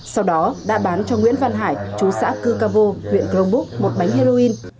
sau đó đã bán cho nguyễn văn hải chú xã cư ca vô huyện crong búc một bánh heroin